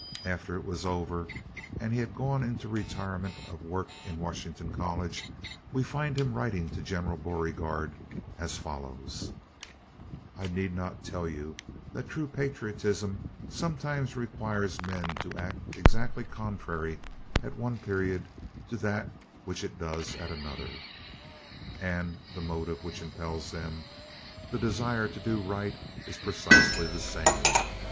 After it was over and he had gone into the retirement of work in Washington College, we find him writing to General Beauregard as follows: "I need not tell you that true patriotism sometimes requires men to act exactly contrary at one period to that which it does at another and the motive which impels them the desire to do right is precisely the same.